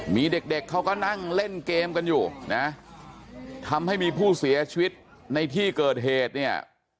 มีเด็กเด็กเขาก็นั่งเล่นเกมกันอยู่นะทำให้มีผู้เสียชีวิตในที่เกิดเหตุเนี่ย